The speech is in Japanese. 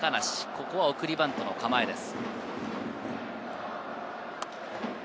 ここは送りバントの構えです。